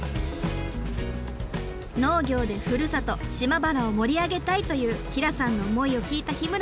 「農業でふるさと島原を盛り上げたい」という平さんの思いを聞いた日村さん。